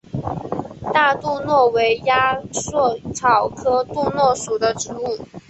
大杜若为鸭跖草科杜若属的植物。